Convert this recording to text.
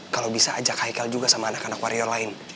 kalau bisa ajak haikal juga sama anak anak warior lain